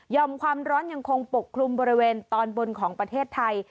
ความร้อนยังคงปกคลุมบริเวณตอนบนของประเทศไทย